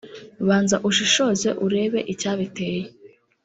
banza ushishoze urebe icyabiteye